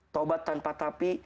taubat tanpa tapi